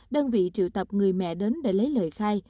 đơn vị triệu tập người mẹ đến để lấy lời khai